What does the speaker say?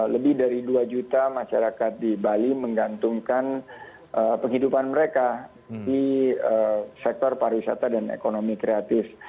lebih dari dua juta masyarakat di bali menggantungkan penghidupan mereka di sektor pariwisata dan ekonomi kreatif